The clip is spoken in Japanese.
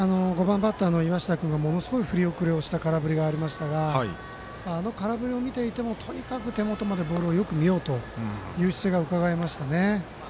ですから５番バッターの岩下君がものすごい振り遅れをした空振りがありましたがあの空振りを見ていてもとにかく手元までボールをよく見ようという姿勢がうかがえました。